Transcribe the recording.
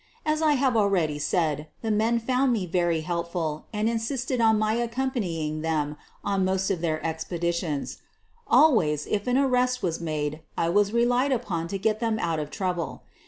As I have already said, the men had found me very helpful and insisted on my accompanying them on most of their expeditions. Always, if an arrest was made, I was relied upon to get them out of trouble.